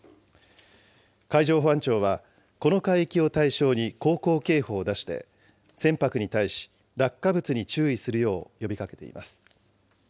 海上保安庁は、この海域を対象に航行警報を出して、船舶に対し落下物に注意するよう呼びかけています。